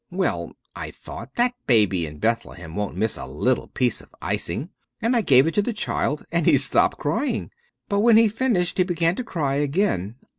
Well, I thought, that baby in Bethlehem won't miss a little piece of icing, and I gave it to the child and he stopped crying. But when he finished he began to cry again.